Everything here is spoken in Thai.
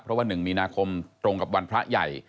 เพราะว่า๑มีนาคมตรงกับวันพระใหญ่